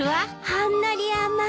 ほんのり甘い。